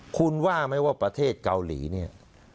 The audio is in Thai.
คุณว่าไหมว่าประเทศเกาหลีเนี่ย